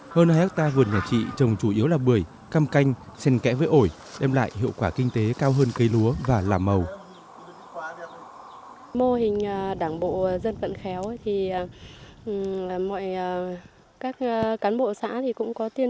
hơn hai hectare vườn nhà chị trồng chủ yếu là bưởi cam canh sen kẽ với ổi đem lại hiệu quả kinh tế cao hơn cây lúa và làm màu